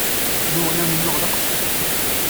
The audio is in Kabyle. Nnuɣen amennuɣ d aqesḥan.